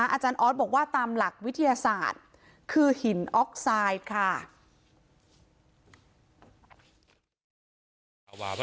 อาจารย์ออสบอกว่าตามหลักวิทยาศาสตร์คือหินออกไซด์ค่ะ